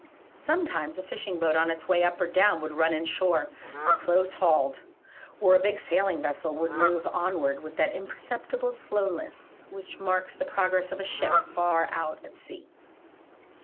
Sometimes a fishing boat on its way up or down would run in shore, close hauled; or a big sailing vessel would move onward with that imperceptible slowness which marks the progress of a ship far out at sea.